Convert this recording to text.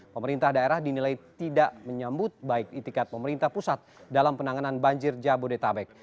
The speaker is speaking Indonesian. pemerintah daerah dinilai tidak menyambut baik itikat pemerintah pusat dalam penanganan banjir jabodetabek